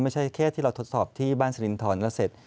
ไม่ใช่แค่ที่เราทดสอบที่บ้านสรินทรแล้วเสร็จ